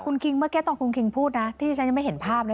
คุณคิงเมื่อกี้ตอนคุณคิงพูดนะที่ฉันยังไม่เห็นภาพ